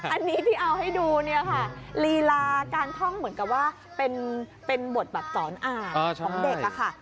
อันนี้ที่เอาให้ดูลีลาการท่องเหมือนกับว่าเป็นบทจรอายของเด็ก